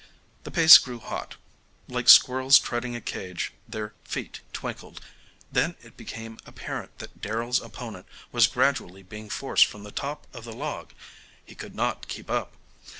The pace grew hot. Like squirrels treading a cage their feet twinkled. Then it became apparent that Darrell's opponent was gradually being forced from the top of the log. He could not keep up.